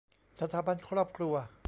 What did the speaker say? สถาบันครอบครัว